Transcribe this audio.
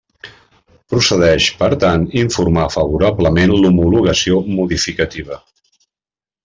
Procedeix, per tant, informar favorablement l'homologació modificativa.